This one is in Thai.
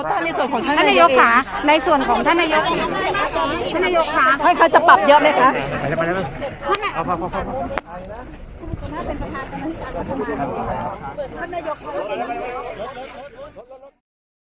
ซึ่งก็ตามในส่วนของท่านนายยกษาในส่วนของท่านนายยกษาท่านนายยกค่ะใครจะปรับเยอะไหมคะ